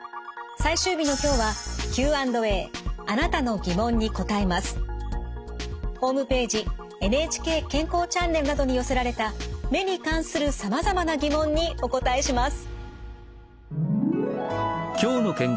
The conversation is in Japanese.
最終日の今日はホームページ「ＮＨＫ健康チャンネル」などに寄せられた目に関するさまざまな疑問にお答えします。